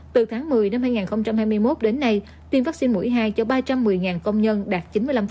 từ tháng một mươi năm hai nghìn hai mươi một đến nay tiêm vaccine mũi hai cho ba trăm một mươi công nhân đạt chín mươi năm